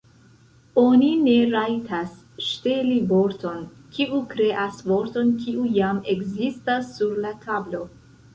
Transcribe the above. Oni ne rajtas ŝteli vorton kiu kreas vorton kiu jam ekzistas sur la tablo.